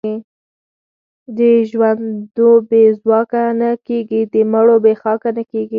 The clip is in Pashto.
د ژوندو بې ځواکه نه کېږي، د مړو بې خاکه نه کېږي.